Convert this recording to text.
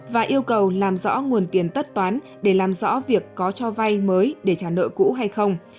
và yêu cầu làm rõ nguồn tiền tất toán để làm rõ việc có cho vay mới để trả nợ cũ hay không